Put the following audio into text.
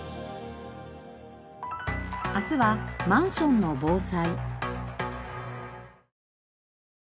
明日はマンションの防災。